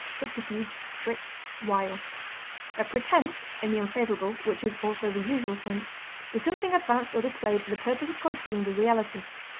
color, pretension, show, A pretense, in the unfavorable, which is also the usual sense, is something advanced or displayed for the purpose of concealing the reality.